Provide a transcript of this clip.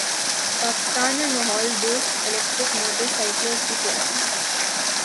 پاکستان میں ماحول دوست الیکٹرک موٹر سائیکلوں کی تیاری